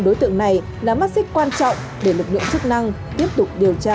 đối tượng này là mắt xích quan trọng để lực lượng chức năng tiếp tục điều tra